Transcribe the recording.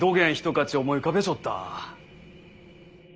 かち思い浮かべちょった。